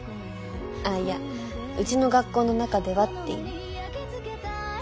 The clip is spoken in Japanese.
あっいや「うちの学校の中では」って意味。